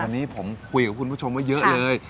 อันนี้ผมคุยกับคุณผู้ชมว่าเยอะเลย